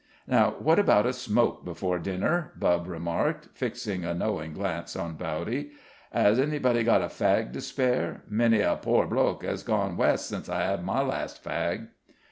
"Now what about a smoke before dinner?" Bubb remarked, fixing a knowing glance on Bowdy. "'As anybody got a fag to spare? Many a pore bloke 'as 'gone West' since I 'ad my last fag."